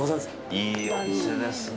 いいお店ですね。